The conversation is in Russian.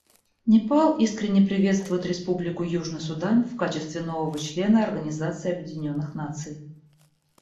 Непал искренне приветствует Республику Южный Судан в качестве нового члена Организации Объединенных Наций.